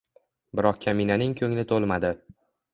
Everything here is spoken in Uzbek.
Biroq kaminaning ko’ngli to’lmadi.